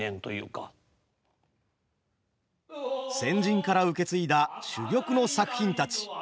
先人から受け継いだ珠玉の作品たち。